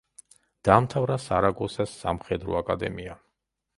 დაამთავრა სარაგოსას სამხედრო აკადემია.